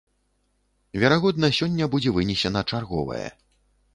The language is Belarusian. Верагодна, сёння будзе вынесена чарговае.